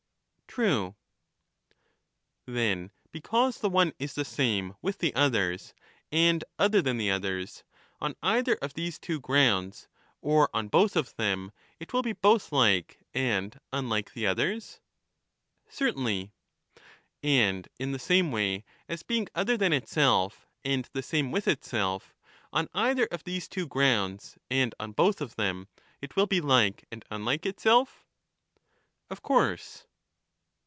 quences Then because the one is the same with the others and foi*<>w other than the others, on either of these two grounds, or on both of them, it will be both like and unlike the others? Certainly. And in the same way as being other than itself and the same with itself, on either of these two grounds and on both of them, it will be like and unlike itself? Of course.